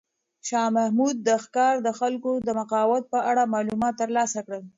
شاه محمود د ښار د خلکو د مقاومت په اړه معلومات ترلاسه کړل.